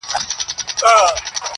بيا به يې خپه اشـــــــــــــنا.